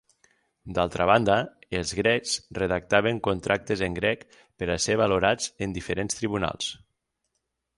D'altra banda, els grecs redactaven contractes en grec per a ser valorats en diferents tribunals.